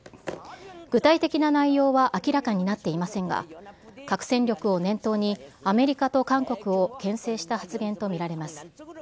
具体的な内容は明らかになっていませんが、核戦力を念頭にアメリカと韓国をけん制した発言と見られます。